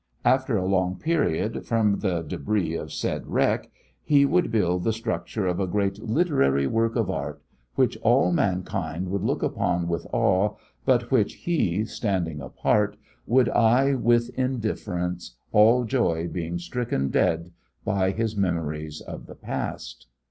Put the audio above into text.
After a long period, from the débris of said wreck, he would build the structure of a great literary work of art, which all mankind would look upon with awe, but which he, standing apart, would eye with indifference, all joy being stricken dead by his memories of the past.